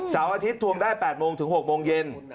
อาทิตยทวงได้๘โมงถึง๖โมงเย็น